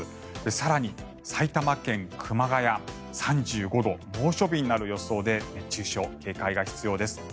更に、埼玉県熊谷３５度、猛暑日になる予想で熱中症、警戒が必要です。